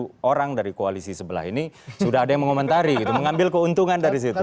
kalau orang dari koalisi sebelah ini sudah ada yang mengomentari mengambil keuntungan dari situ